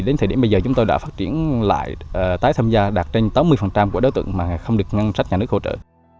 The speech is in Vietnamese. đến thời điểm bây giờ chúng tôi đã phát triển lại tái tham gia đạt trên tám mươi của đối tượng mà không được ngân sách nhà nước hỗ trợ